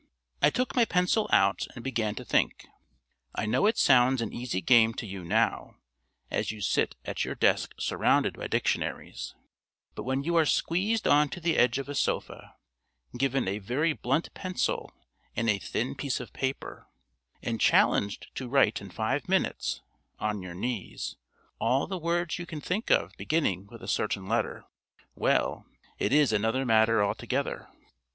I took my pencil out and began to think. I know it sounds an easy game to you now, as you sit at your desk surrounded by dictionaries; but when you are squeezed on to the edge of a sofa, given a very blunt pencil and a thin piece of paper, and challenged to write in five minutes (on your knees) all the words you can think of beginning with a certain letter well, it is another matter altogether.